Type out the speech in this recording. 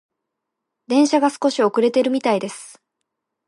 電車が少し遅れているみたいです。